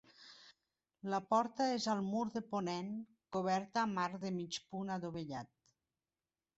La porta és al mur de ponent, coberta amb arc de mig punt adovellat.